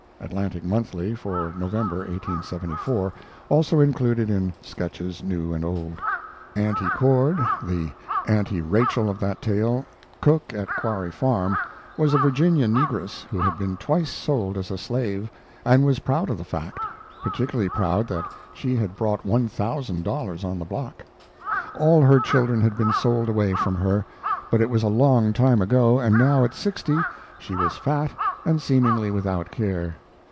[Atlantic Monthly for November, 1874; also included in Sketches New and Old.] Auntie Cord, the Auntie Rachel of that tale, cook at Quarry Farm, was a Virginia negress who had been twice sold as a slave, and was proud of the fact; particularly proud that she had brought $1,000 on the block. All her children had been sold away from her, but it was a long time ago, and now at sixty she was fat and seemingly without care.